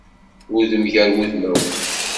Udem gar wudmawen